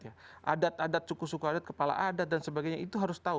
adat adat suku suku adat kepala adat dan sebagainya itu harus tahu